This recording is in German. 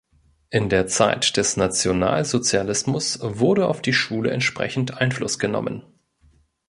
In der Zeit des Nationalsozialismus wurde auf die Schule entsprechend Einfluss genommen.